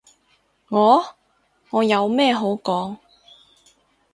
我？我有咩好講？